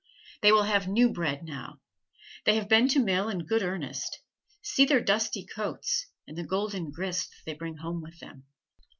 They will have new bread now; they have been to mill in good earnest; see their dusty coats, and the golden grist they bring home with them.